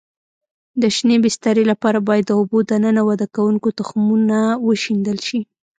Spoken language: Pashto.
د شینې بسترې لپاره باید د اوبو دننه وده کوونکو تخمونه وشیندل شي.